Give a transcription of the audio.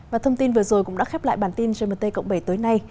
và thông tin vừa rồi cũng đã khép lại bản tin trên bnt cộng bảy tối nay